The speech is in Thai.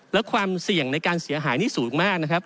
และความเสี่ยงในการเสียหายนี่สูงมากนะครับ